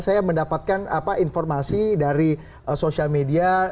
saya mendapatkan informasi dari sosial media